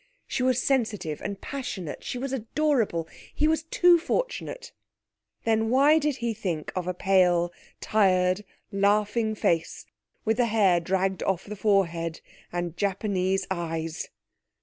She was sensitive, and passionate. She was adorable. He was too fortunate! Then why did he think of a pale, tired, laughing face, with the hair dragged off the forehead, and Japanese eyes?...